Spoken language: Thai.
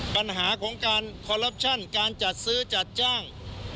ปัญหาของการคอลลับชั่นการจัดซื้อจัดจ้าง